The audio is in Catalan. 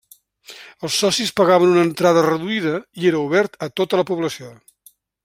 Els socis pagaven una entrada reduïda i era obert a tota la població.